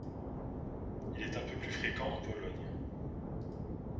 Il est un peu plus fréquent en Pologne.